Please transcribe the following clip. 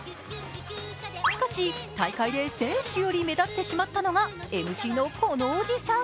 しかし、大会で選手より目立ってしまったのがＭＣのこのおじさん。